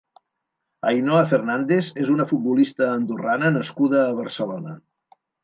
Ainhoa Fernández és una futbolista andorrana nascuda a Barcelona.